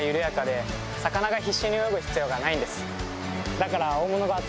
だから。